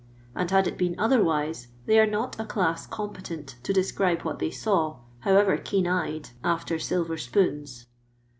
And bad it been otherwise, they are not a class competent to describe what they saw, however keen eyed after silver spoons.